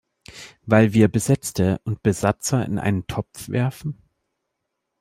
Weil wir Besetzte und Besatzer in einen Topf werfen?